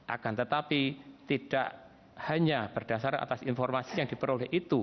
akan tetapi tidak hanya berdasar atas informasi yang diperoleh itu